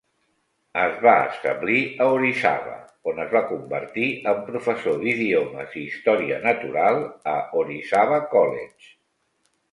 Es va establir a Orizaba, on es va convertir en professor d'idiomes i història natural a Orizaba College.